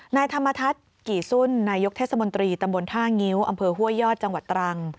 นายธรรมทัศน์กี่สุ่นนายกเทศมนตรีตำบลท่างิ้วอำเภอห้วยยอดจังหวัดตรัง